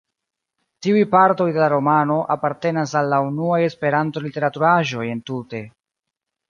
Tiuj partoj de la romano apartenas al la unuaj Esperanto-literaturaĵoj entute.